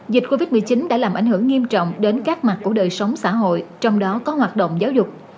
dịch covid một mươi chín đã làm ảnh hưởng nghiêm trọng đến các mặt của đời sống xã hội trong đó có hoạt động giáo dục